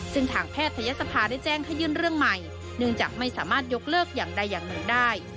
ซึ่งทางแพทยศภาได้แจ้งให้ยื่นเรื่องใหม่เนื่องจากไม่สามารถยกเลิกอย่างใดอย่างหนึ่งได้